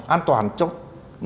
an toàn cho chúng ta